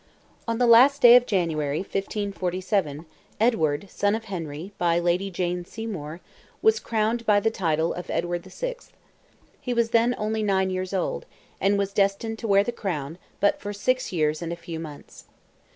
On the last day of January, 1547, Edward, son of Henry, by Lady Jane Seymour, was crowned by the title of Edward VI. He was then only nine years old, and was destined to wear the crown but for six years and a few months.